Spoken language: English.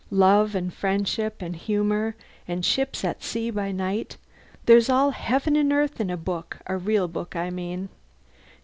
Love and friendship and humour and ships at sea by night there's all heaven and earth in a book, a real book I mean.